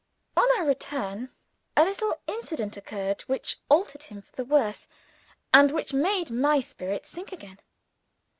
On our return, a little incident occurred which altered him for the worse, and which made my spirits sink again.